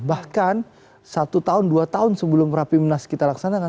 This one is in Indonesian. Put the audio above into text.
bahkan satu tahun dua tahun sebelum rapimnas kita laksanakan